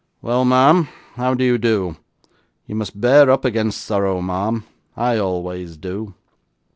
'Well, ma'am, how do you do? You must bear up against sorrow, ma'am; I always do.